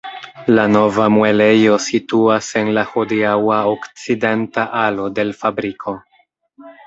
La nova muelejo situas en la hodiaŭa okcidenta alo de l' fabriko.